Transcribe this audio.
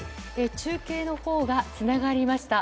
中継のほうがつながりました。